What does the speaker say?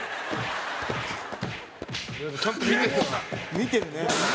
「見てるね」